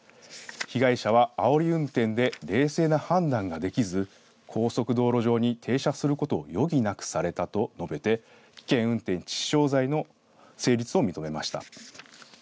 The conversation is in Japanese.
被害者はあおり運転で冷静な判断ができず高速道路上に停車することを余儀なくされたと述べて危険運転致死傷罪の成立を認めました。